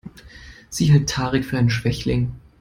Sie hält Tarek für einen Schwächling.